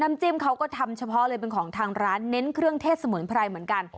จิ้มเขาก็ทำเฉพาะเลยเป็นของทางร้านเน้นเครื่องเทศสมุนไพรเหมือนกัน